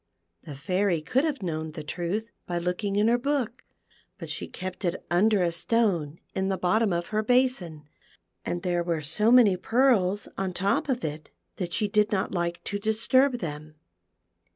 The Fairy could have known the truth by looking in her book, but she kept it under a stone in the bottom of her basin, and there were so many pearls on the top of it that she did not like to disturb them.